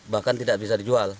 bahkan tidak bisa dijual